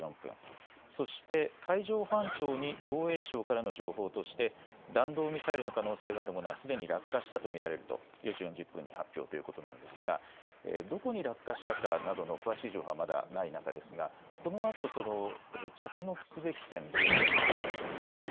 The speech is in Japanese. そして海上保安庁に防衛省からの情報として弾道ミサイルの可能性があるものはすでに落下したと見られると４時４０分に発表ということなんですがどこに落下したかなどの詳しい情報はまだない中ですがこのあと着目すべき点、どういったことになりますか。